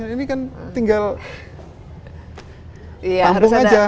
ini kan tinggal ampuh aja